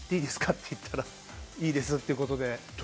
って言ったら「いいです」ってことで。